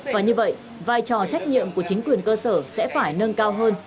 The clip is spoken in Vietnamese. và như vậy vai trò trách nhiệm của chính quyền cơ sở sẽ phải nâng cao hơn